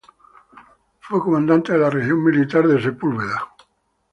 Fue comandante de la Región Militar de Tobruk.